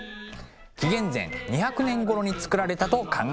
紀元前２００年ごろにつくられたと考えられています。